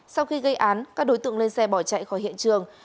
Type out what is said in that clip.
sau khi gây án các đối tượng lên xe bỏ chạy khỏi hiện trường